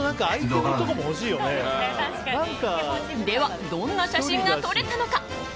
では、どんな写真が撮れたのか。